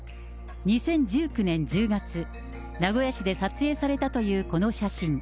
ま２０１９年１０月、名古屋市で撮影されたというこの写真。